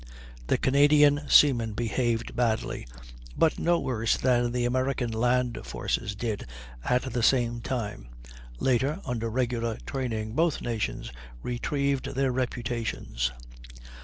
The Canadian seamen behaved badly, but no worse than the American land forces did at the same time; later, under regular training, both nations retrieved their reputations.